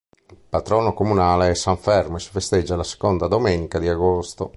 Il patrono comunale è san Fermo e si festeggia la seconda domenica di agosto.